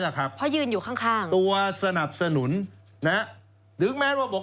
แหละครับเพราะยืนอยู่ข้างข้างตัวสนับสนุนนะหรือแม้ตัวบอก